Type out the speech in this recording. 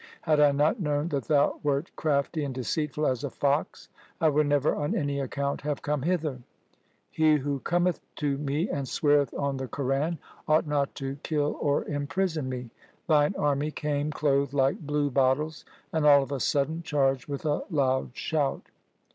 Had I not known that thou wert crafty and deceitful as a fox, I would never on any account have come hither. He who cometh to me and sweareth on the Quran ought not to kill or imprison me. Thine army came clothed like blue bottles, and all of a sudden charged with a loud shout.